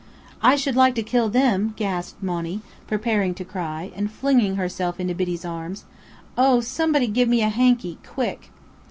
"I should like to kill them!" gasped Monny, preparing to cry, and flinging herself into Biddy's arms. "Oh somebody give me a hanky quick!"